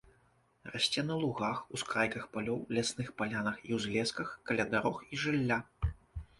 Расце на лугах, ускрайках палёў, лясных палянах і ўзлесках, каля дарог і жылля.